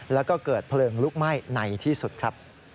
แล้วก็เกิดเพลิงลุกไหม้ในที่สุดครับ